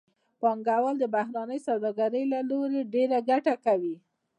پانګوال د بهرنۍ سوداګرۍ له لارې ډېره ګټه کوي